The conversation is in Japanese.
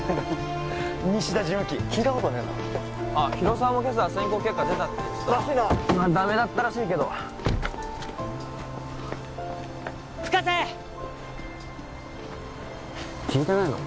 ニシダ事務機聞いたことねえな広沢も今朝選考結果出たって言ってたなダメだったらしいけど深瀬聞いてないの？